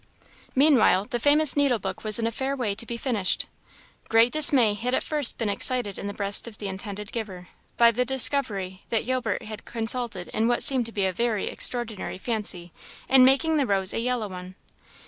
Meanwhile the famous needlebook was in a fair way to be finished. Great dismay had at first been excited in the breast of the intended giver, by the discovery that Gilbert had consulted what seemed to be a very extraordinary fancy, in making the rose a yellow one.